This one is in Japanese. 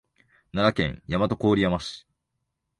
奈良県大和郡山市